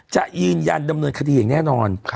จะยืนยันดำเนินคดีอย่างแน่นอน